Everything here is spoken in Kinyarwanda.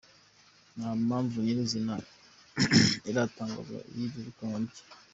Nta mpamvu nyir’izina iratangazwa y’iyirukanwa rye .